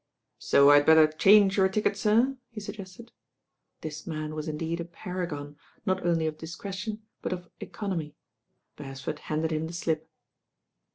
"So I had better change your ticket, sir?" he sug gested. This man was indeed a paragon, not only of dis* cretion, but of economy. Beresford handed him the slip.